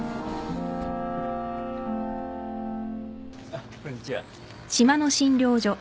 あっこんにちは。